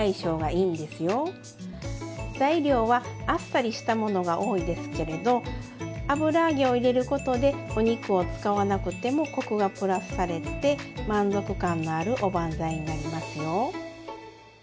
材料はあっさりしたものが多いですけれど油揚げを入れることでお肉を使わなくてもコクがプラスされて満足感のあるおばんざいになりますよ。